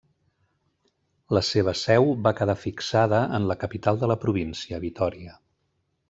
La seva seu va quedar fixada en la capital de la província, Vitòria.